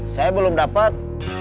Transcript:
saya belum dapet